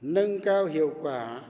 nâng cao hiệu quả